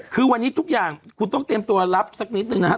คือวันนี้ทุกอย่างคุณต้องเตรียมตัวรับสักนิดนึงนะฮะ